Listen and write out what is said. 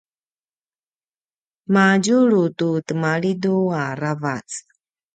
madjulu tu temalidu aravac